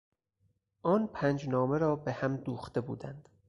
آن پنج نامه را به هم دوخته بودند.